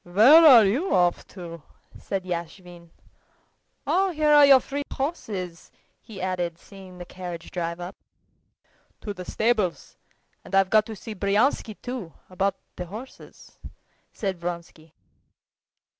"Where are you off to?" asked Yashvin. "Oh, here are your three horses," he added, seeing the carriage drive up. "To the stables, and I've got to see Bryansky, too, about the horses," said Vronsky.